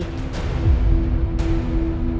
sama kayak si dewi